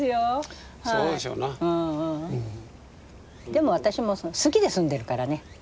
でも私も好きで住んでるからね。